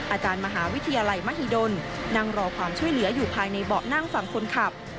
อาจารย์มหาวิทยาลัยมหิดลนั่งรอความช่วยเหลืออยู่ภายในเบาะนั่งฝั่งคนขับ